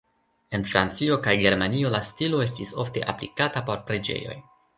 En Francio kaj Germanio la stilo estis ofte aplikata por preĝejoj.